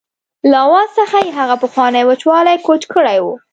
له آواز څخه یې هغه پخوانی وچوالی کوچ کړی و.